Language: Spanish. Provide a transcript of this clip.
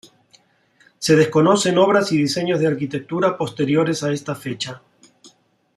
Se desconocen obras y diseños de arquitectura posteriores a esta fecha.